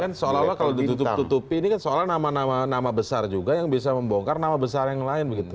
kan seolah olah kalau ditutup tutupi ini kan soal nama nama besar juga yang bisa membongkar nama besar yang lain begitu